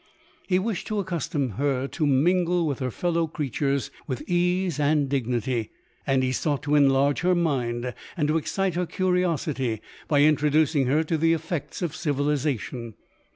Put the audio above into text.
He wished to accustom her to mingle with her fellow creatures with ease and dignity ; and he sought to enlarge her mind, and to excite her curiosity, by introducing her to the effects of civilization.